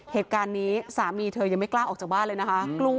เหตุการณ์นี้สามีเธอยังไม่กล้าออกจากบ้านเลยนะคะ